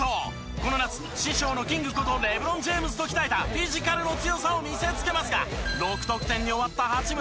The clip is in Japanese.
この夏師匠のキングことレブロン・ジェームズと鍛えたフィジカルの強さを見せつけますが６得点に終わった八村。